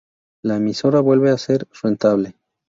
La emisora vuelve a ser rentable.